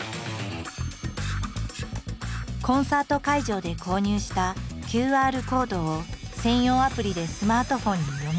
コンサート会場で購入したＱＲコードを専用アプリでスマートフォンに読み込む。